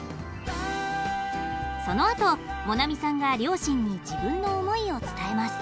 そのあと萌菜見さんが両親に自分の思いを伝えます。